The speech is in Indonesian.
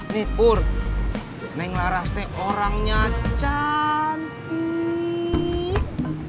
nih pur neng laras tuh orangnya cantiiiiiii